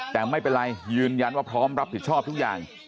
แต่ไม่เป็นไรยืนยันว่าพร้อมรับผิดชอบทุกอย่าง